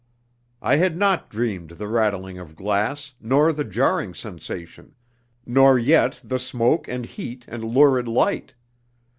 I had not dreamed the rattling of glass, nor the jarring sensation, nor yet the smoke and heat and lurid light.